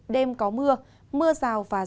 đêm có mưa mưa rào và rào